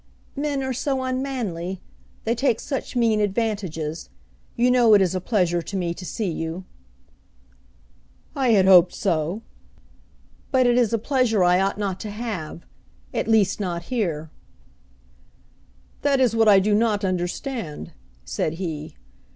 "Men are so unmanly. They take such mean advantages. You know it is a pleasure to me to see you." "I had hoped so." "But it is a pleasure I ought not to have, at least not here." "That is what I do not understand," said he.